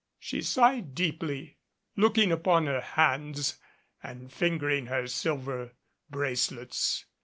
She sighed deeply, looking upon her hands and fingering her silver bracelets.